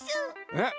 えっ？